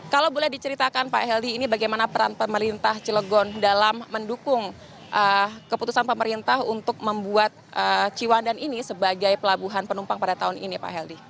kalau boleh diceritakan pak heldi ini bagaimana peran pemerintah cilegon dalam mendukung keputusan pemerintah untuk membuat ciwandan ini sebagai pelabuhan penumpang pada tahun ini pak heldi